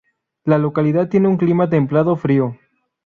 La localidad tiene un clima templado frío.